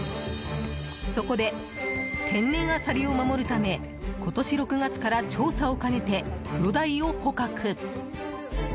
そこで、天然アサリを守るため今年６月から調査を兼ねてクロダイを捕獲。